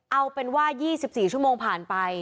เอาเป็นว่า๒๔ชั่วโมงผ่านไป